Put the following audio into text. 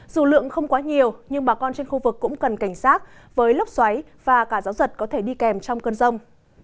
dù lượng không quá nhiều nhưng bà con trên khu vực cũng cần cảnh sát với lốc xoáy và cả gió giật có thể đi kèm trong cơn rông